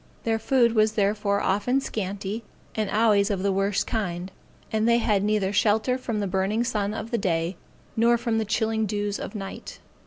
Their food was therefore often scanty, and always of the worst kind; and they had neither shelter from the burning sun of the day, nor from the chilling dews of night.